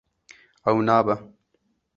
Ew nabe.